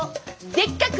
でっかく！